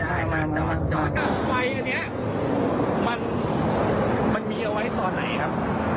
ไฟอันนี้มันมีเอาไว้ต่อไหนครับ